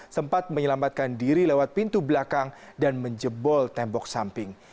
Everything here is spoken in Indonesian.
sempat menyelamatkan diri lewat pintu belakang dan menjebol tembok samping